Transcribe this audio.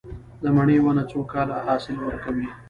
د مڼې ونه څو کاله حاصل ورکوي؟